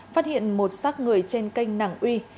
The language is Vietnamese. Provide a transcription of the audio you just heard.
phát hiện một sát người trên kênh nàng uy